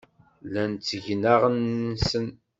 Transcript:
Llan ttgen aɣan-nsen.